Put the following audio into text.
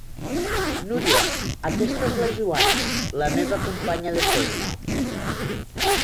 Núria, aquesta és la Joana, la meva companya de feina.